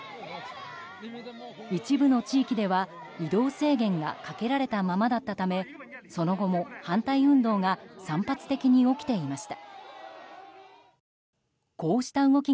一部の地域では移動制限がかけられたままだったためその後も反対運動が散発的に起きていました。